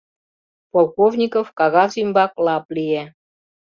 Полковников кагаз ӱмбак лап лие.